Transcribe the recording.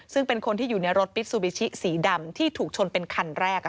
ซึ่งเป็นคนที่อยู่ในรถปิซูบิชิสีดำที่ถูกชนเป็นคันแรก